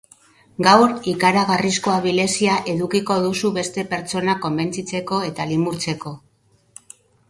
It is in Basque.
Gaur ikaragarrizko abilezia edukiko duzu beste pertsonak konbentzitzeko eta limurtzeko.